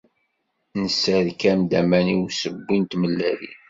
Nesserkam-d aman i usewwi n tmellalin.